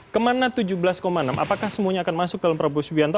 kemana tujuh belas enam apakah semuanya akan masuk dalam prabowo subianto